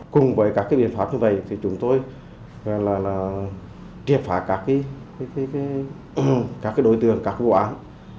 cùng với các biện pháp như vậy thì chúng tôi triệt phá các đối tượng các vụ án